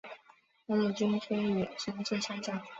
他的军衔也升至上校。